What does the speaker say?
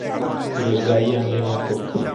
پیرۆزبایییان لێمان کرد